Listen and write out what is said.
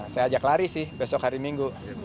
saya ajak lari sih besok hari minggu